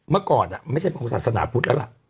เมื่อก่อนไม่ใช่พระของศาสนาพุทธแล้วล่ะ